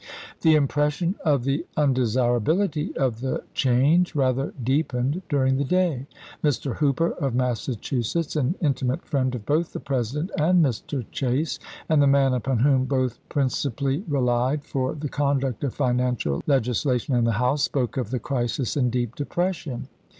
The impression of the undesirabilityof the change rather deepened during the day. Mr. Hooper of Massachusetts, an intimate friend of both the President and Mr. Chase, and the man upon whom both principally relied for the conduct of financial legislation in the House, spoke of the crisis in deep depression.